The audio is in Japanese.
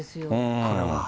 これは。